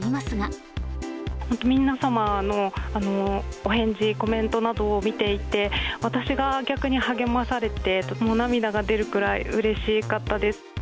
本当に皆様のお返事、コメントなどを見ていて、私が逆に励まされて、とても涙が出るぐらいうれしかったです。